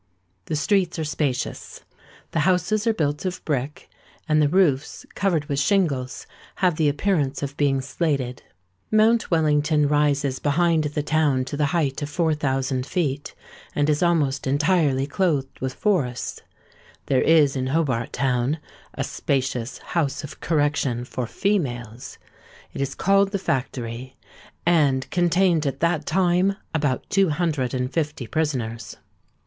The streets are spacious: the houses are built of brick; and the roofs, covered with shingles, have the appearance of being slated. Mount Wellington rises behind the town to the height of 4000 feet, and is almost entirely clothed with forests. There is in Hobart Town a spacious House of Correction for females: it is called the Factory, and contained at that time about two hundred and fifty prisoners.